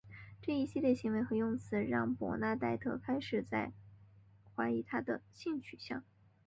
这一系列行为和用词让伯纳黛特开始正式怀疑他的性取向。